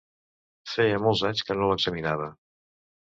Feia molts anys que no l'examinava.